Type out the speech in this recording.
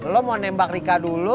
lo mau nembak rika dulu